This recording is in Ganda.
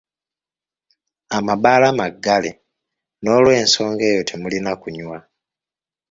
Amabaala maggale, n’olw’ensonga eyo temulina kunywa.